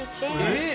えっ！